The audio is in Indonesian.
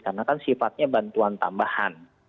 karena kan sifatnya bantuan tambahan